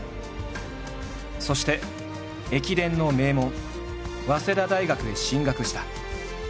そして駅伝の名門早稲田大学へ進学した。